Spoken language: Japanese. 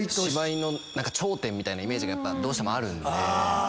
みたいなイメージがやっぱどうしてもあるんで。